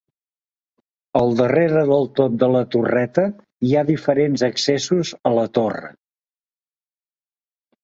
Al darrere del tot de la torreta hi ha diferents accessos a la torre.